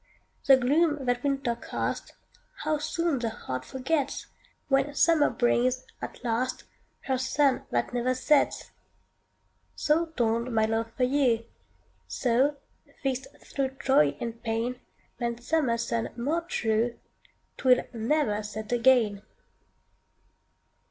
The gloom that winter cast, How soon the heart forgets, When summer brings, at last, Her sun that never sets! So dawned my love for you; So, fixt thro' joy and pain, Than summer sun more true, 'Twill never set again.